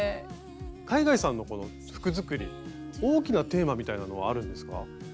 海外さんのこの服作り大きなテーマみたいなのはあるんですか？